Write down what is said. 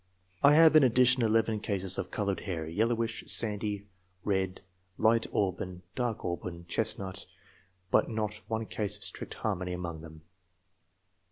I have, in addition, 11 cases of coloured hair — ^yellowish, sandy, red, light auburn, dark auburn, chestnut —but not one case of strict harmony among them.